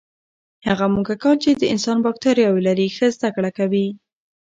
هغه موږکان چې د انسان بکتریاوې لري، ښه زده کړه کوي.